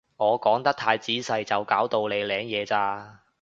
我講得太仔細就搞到你領嘢咋